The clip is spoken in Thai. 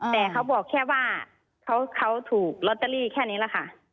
แต่เขาบอกแค่ว่าเขาถูกลอตเตอรี่แค่นี้แหละค่ะ